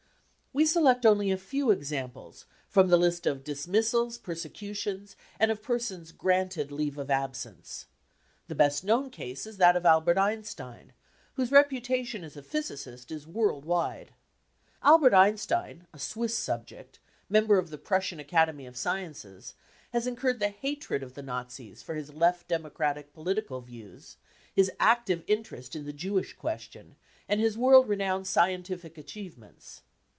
We select only a few examples from the list of dismissals, persecutions and of persons " granted leave of absence." The best known case is that of Albert Einstein, whose reputation as a physicist is world wide. Albert Einstein, a Swiss subject, member of the Prussian Academy of Sciences, has incurred the hatred of the Nazis for his left democratic political views, his active interest in the Jewish question and his world renowned scientific achievements.